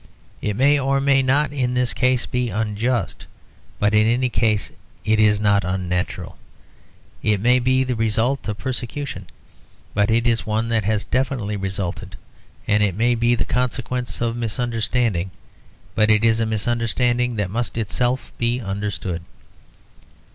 It may or may not in this case be unjust; but in any case it is not unnatural. It may be the result of persecution, but it is one that has definitely resulted. It may be the consequence of a misunderstanding; but it is a misunderstanding that must itself be understood.